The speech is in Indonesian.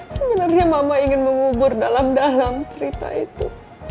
sebenarnya mama ingin mengubur dalam dalam cerita itu